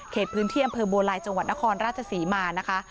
พื้นที่อำเภอบัวลายจังหวัดนครราชศรีมานะคะ